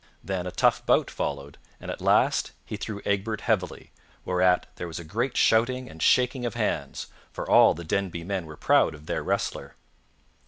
Then a tough bout followed, and at last he threw Egbert heavily, whereat there was a great shouting and shaking of hands, for all the Denby men were proud of their wrestler.